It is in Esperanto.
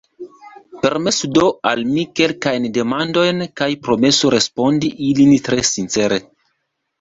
Permesu do al mi kelkajn demandojn kaj promesu respondi ilin tre sincere.